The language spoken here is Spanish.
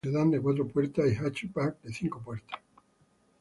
Se fabrica en versiones sedán de cuatro puertas y hatchback de cinco puertas.